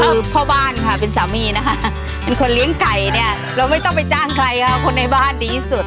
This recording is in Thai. คือพ่อบ้านค่ะเป็นสามีนะคะเป็นคนเลี้ยงไก่เนี่ยเราไม่ต้องไปจ้างใครค่ะคนในบ้านดีที่สุด